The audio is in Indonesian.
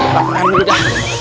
nah saya akan berhenti